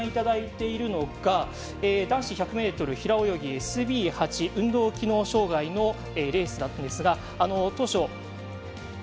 そして、男子１００ｍ平泳ぎＳＢ８運動機能障がいのレースだったんですが。